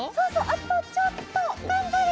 あとちょっとがんばれ。